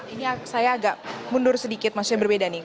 ini saya agak mundur sedikit maksudnya berbeda nih